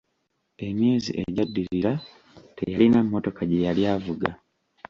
Emyezi egyaddirira teyalina mmotoka gye yali avuga.